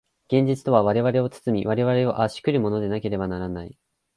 現実とは我々を包み、我々を圧し来るものでなければならない。